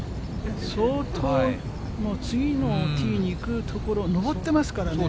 相当、次のティーにいくところ、上ってますからね。